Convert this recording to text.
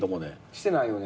してないよね。